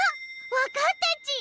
わかったち！